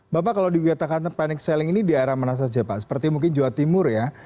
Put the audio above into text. bapak kalau dikatakan panic selling ini daerah mana saja pak seperti mungkin jawa timur ya